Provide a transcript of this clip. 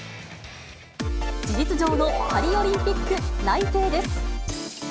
事実上のパリオリンピック内